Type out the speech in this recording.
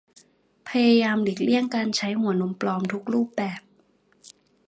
พยายามหลีกเลี่ยงการใช้หัวนมปลอมทุกรูปแบบ